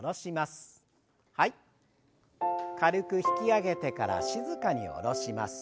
軽く引き上げてから静かに下ろします。